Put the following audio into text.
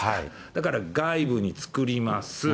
だから外部に作ります。